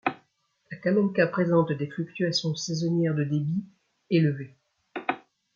La Kamenka présente des fluctuations saisonnières de débit élevées.